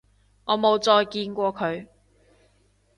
我冇再見過佢